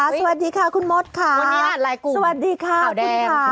สวัสดีค่ะคุณมดค่ะสวัสดีค่ะคุณค่ะ